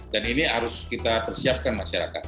dan ini harus kita persiapkan masyarakat